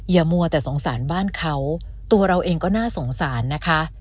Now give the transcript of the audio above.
มัวแต่สงสารบ้านเขาตัวเราเองก็น่าสงสารนะคะ